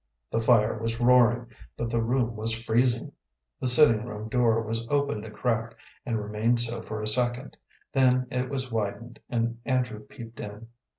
The fire was roaring, but the room was freezing. The sitting room door was opened a crack, and remained so for a second, then it was widened, and Andrew peeped in.